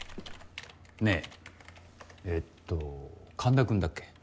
ねぇえっと神田君だっけ？